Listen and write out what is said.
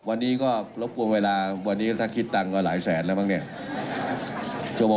อะเดี๋ยวไปฟังเสียงตอนนี้กันหน่อยค่ะคุณผู้ชม